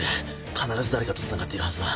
必ず誰かとつながっているはずだ。